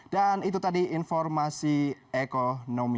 dan itu tadi informasi ekonomi